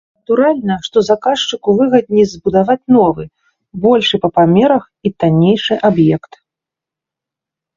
Натуральна, што заказчыку выгадней збудаваць новы, большы па памерах і таннейшы аб'ект.